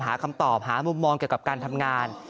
หาคำตอบหามุมมองเกี่ยวกับการทำงาน